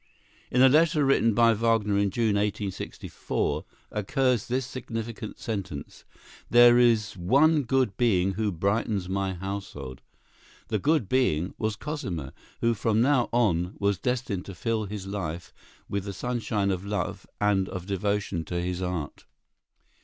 In a letter written by Wagner in June, 1864, occurs this significant sentence: "There is one good being who brightens my household." The "good being" was Cosima, who from now on was destined to fill his life with the sunshine of love and of devotion to his art.